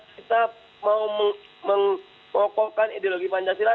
kita mau mengokohkan ideologi pancasila